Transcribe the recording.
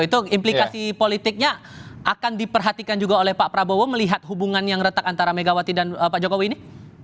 itu implikasi politiknya akan diperhatikan juga oleh pak prabowo melihat hubungan yang retak antara megawati dan pak jokowi ini